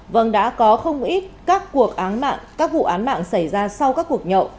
vâng đã có không ít các cuộc án mạng các vụ án mạng xảy ra sau các cuộc nhậu